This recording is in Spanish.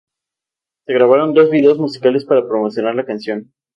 Se grabaron dos videos musicales para promocionar la canción.